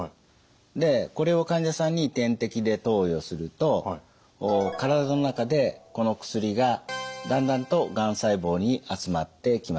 これを患者さんに点滴で投与すると体の中でこの薬がだんだんとがん細胞に集まってきます。